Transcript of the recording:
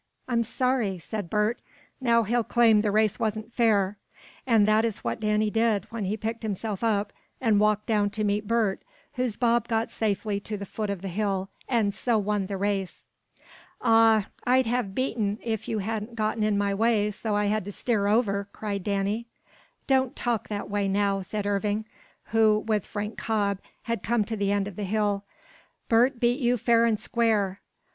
"I'm sorry!" said Bert. "Now he'll claim the race wasn't fair." And that is what Danny did when he picked himself up, and walked down to meet Bert, whose bob got safely to the foot of the hill, and so won the race. "Aw, I'd have beaten if you hadn't gotten in my way so I had to steer over," cried Danny. "Don't talk that way now," said Irving, who, with Frank Cobb had come to the end of the hill. "Bert beat you fair and square."